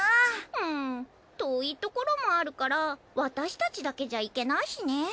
うん遠いところもあるから私たちだけじゃ行けないしね。